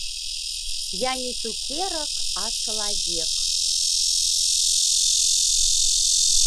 Я не цукерак, а чалавек.